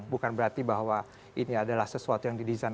bukan berarti bahwa ini adalah sesuatu yang didesain